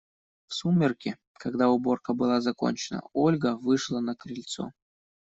В сумерки, когда уборка была закончена, Ольга вышла на крыльцо.